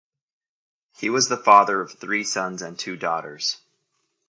He was the father of three sons and two daughters.